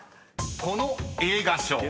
［この映画賞］